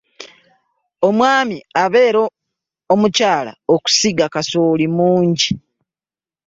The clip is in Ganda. Omwami abeera Omukyala okusiga kasooli mungi.